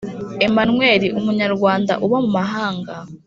Emmanuel umunyarwanda uba mumahanga